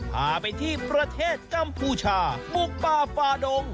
พาไปที่ประเทศกัมพูชาบุกป่าฟาดง